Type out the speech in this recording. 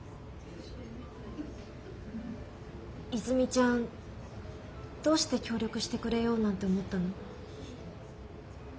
和泉ちゃんどうして協力してくれようなんて思ったの？